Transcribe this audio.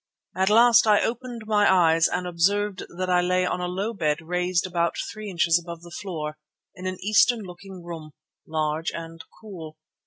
At last I opened my eyes and observed that I lay on a low bed raised about three inches above the floor, in an Eastern looking room, large and cool.